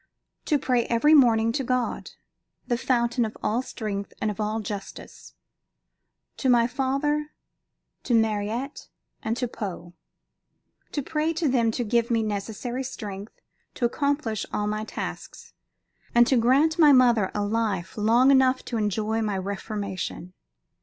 To pray every morning to God, the Fountain of all strength and of all justice; to my father, to Mariette, and to Poe. To pray to them to give me necessary strength to accomplish all my tasks, and to grant my mother a life long enough to enjoy my reformation.